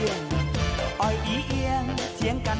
สวัสดีค่ะต่างทุกคน